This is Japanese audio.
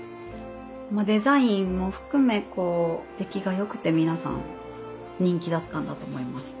まあデザインも含め出来が良くて皆さん人気だったんだと思います。